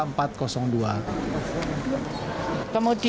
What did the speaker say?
kemudian yang jelas mulai kemarin